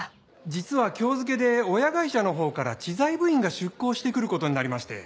実は今日付で親会社のほうから知財部員が出向してくることになりまして。